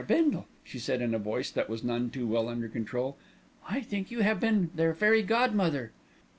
Bindle," she said in a voice that was none too well under control, "I think you have been their fairy godmother."